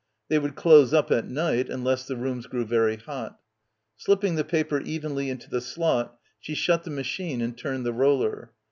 They would close up at night unless the rooms grew very hot. Slipping the paper evenly into the slot she shut the machine and turned the roller.